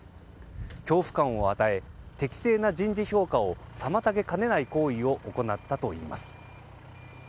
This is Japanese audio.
恐怖感を与え適正な人事評価を妨げかねない行為を行ったといいます。